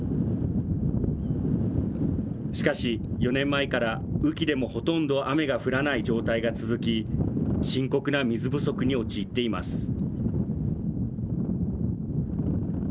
しかし４年前から雨季でもほとんど雨が降らない状態が続き、深刻な水不足に陥っています。